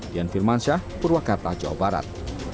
dian firmansyah purwakarta jawa barat